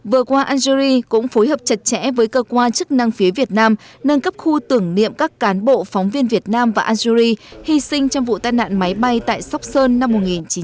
vừa qua algerie cũng phối hợp chặt chẽ với cơ quan chức năng phía việt nam nâng cấp khu tưởng niệm các cán bộ phóng viên việt nam và algeri hy sinh trong vụ tai nạn máy bay tại sóc sơn năm một nghìn chín trăm bảy mươi